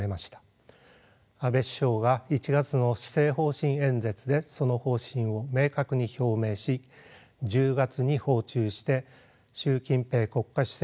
安倍首相が１月の施政方針演説でその方針を明確に表明し１０月に訪中して習近平国家主席と会談しました。